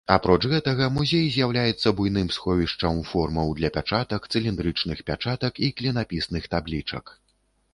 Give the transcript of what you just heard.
Апроч гэтага, музей з'яўляецца буйным сховішчам формаў для пячатак, цыліндрычных пячатак і клінапісных таблічак.